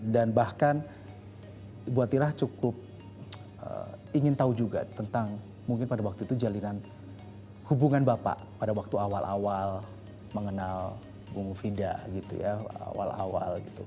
dan bahkan ibu atira cukup ingin tahu juga tentang mungkin pada waktu itu jalinan hubungan bapak pada waktu awal awal mengenal bung fida